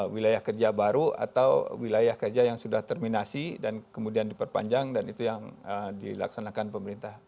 wilayah kerja baru atau wilayah kerja yang sudah terminasi dan kemudian diperpanjang dan itu yang dilaksanakan pemerintah